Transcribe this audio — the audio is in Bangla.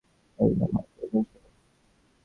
এই আমার প্রয়োজন ছিল।